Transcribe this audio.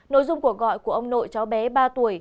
nội dung cuộc gọi của ông nội cháu bé ba tuổi